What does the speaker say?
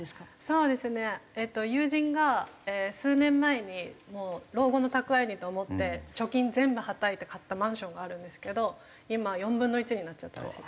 そうですね友人が数年前に老後の蓄えにと思って貯金全部はたいて買ったマンションがあるんですけど今４分の１になっちゃったらしい。